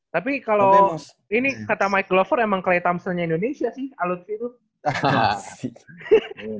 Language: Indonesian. tapi kalo ini kata mike glover emang clay thompsonnya indonesia sih alutfi tuh